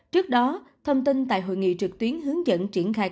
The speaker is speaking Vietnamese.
trước đó thông tin tại hội nghị trực tuyến hướng dẫn triển khai